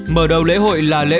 mở đầu lễ hội là lễ